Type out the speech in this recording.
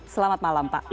selamat malam mbak fani